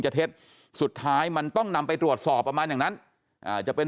เท็จสุดท้ายมันต้องนำไปตรวจสอบประมาณอย่างนั้นจะเป็น